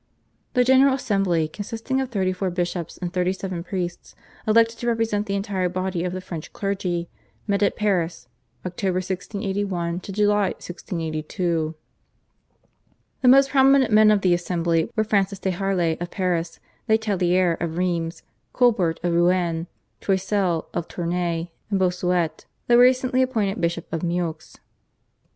The General Assembly consisting of thirty four bishops and thirty seven priests elected to represent the entire body of the French clergy met at Paris (October 1681 July 1682). The most prominent men of the Assembly were Francis de Harlay of Paris, Le Tellier of Rheims, Colbert of Rouen, Choisseul of Tournay, and Bossuet, the recently appointed Bishop of Meaux.